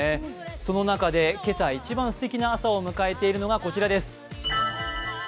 その中で今朝、一番すてきな朝を迎えているのがこちらです。